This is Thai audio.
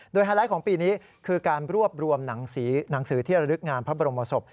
ไฮไลท์ของปีนี้คือการรวบรวมหนังสือหนังสือที่ระลึกงานพระบรมศพ